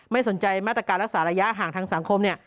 ไม่สนใจมาตรการรักษาระยะห่างทางสังคมเนี่ย